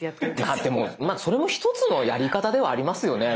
ああでもまあそれも１つのやり方ではありますよね。